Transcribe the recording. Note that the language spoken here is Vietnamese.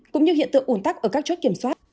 cũng như hiện tượng ủn tắc ở các chốt kiểm soát